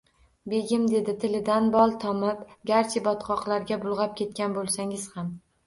“Begim”, dedi, tilidan bol tomib, garchi botqoqlarga bulg‘ab ketgan bo‘lsangiz ham